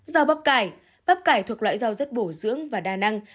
rau bắp cải bắp cải thuộc loại rau rất bổ dưỡng và đa năng